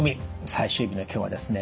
最終日の今日はですね